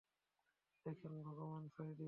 দেখেন, ভগবান সায় দিয়েছে।